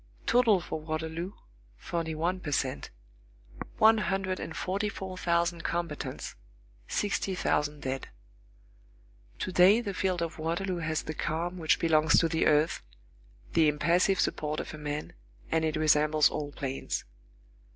Total for Waterloo, forty one per cent; one hundred and forty four thousand combatants; sixty thousand dead. To day the field of Waterloo has the calm which belongs to the earth, the impassive support of man, and it resembles all plains.